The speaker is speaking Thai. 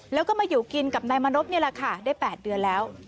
แล้วก็มาอยู่กินกับนายมานพนี่แหละค่ะได้๘เดือนแล้ว